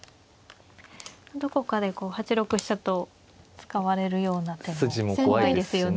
どこかで８六飛車と使われるような手も怖いですよね。